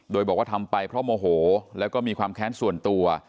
โดยบอกว่าทำไปเพราะโมโหแล้วก็มีความแค้นส่วนตัว